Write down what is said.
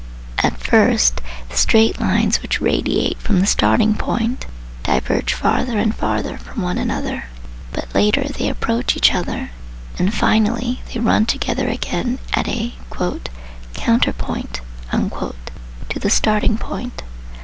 At first, the straight lines which radiate from the starting point diverge farther and farther from one another, but later they approach each other, and finally they run together again at a "counter point" to the starting point.